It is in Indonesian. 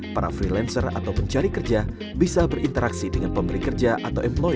para freelancer atau pencari kerja bisa berinteraksi dengan pemberi kerja atau employer